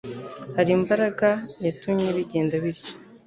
Hari imbaraga yatumye bigenda bityo.